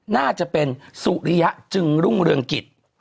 น่าจะเป็นสุริยะจึงรุ่งเรืองกิจ